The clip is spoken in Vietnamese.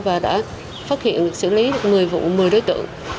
và đã phát hiện xử lý được một mươi vụ một mươi đối tượng